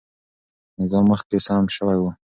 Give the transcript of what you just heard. نظام مخکې سم سوی و.